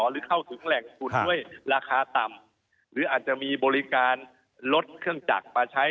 หรือเข้าถึงแหล่งทุนด้วยราคาต่ำหรืออาจจะมีบริการลดเครื่องจักรมาใช้